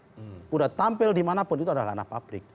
sudah tampil dimanapun itu adalah ranah publik